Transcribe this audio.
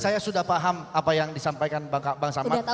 saya sudah paham apa yang disampaikan bang samad